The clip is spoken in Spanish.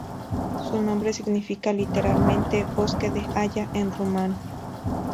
Su nombre significa literalmente "bosque de haya" en rumano.